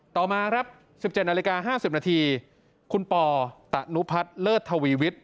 ต่อมาครับ๑๗นาฬิกา๕๐นาทีคุณปอตะนุพัฒน์เลิศทวีวิทย์